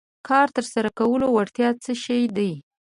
کار تر سره کولو وړتیا څه شی دی.